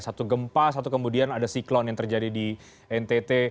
satu gempa satu kemudian ada siklon yang terjadi di ntt